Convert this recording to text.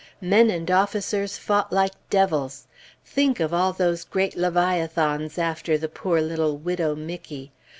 Men and officers fought like devils. Think of all those great leviathans after the poor little "Widow Mickey"!